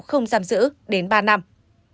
không giam giữ đến ba năm